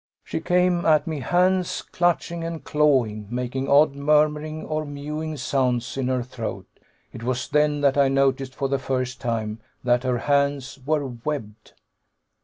"She came at me, hands clutching and clawing, making odd murmuring or mewing sounds in her throat. It was then that I noticed for the first time that her hands were webbed!"